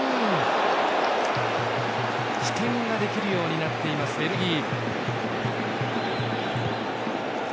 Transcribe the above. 起点ができるようになっていますベルギー。